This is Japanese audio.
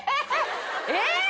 えっ！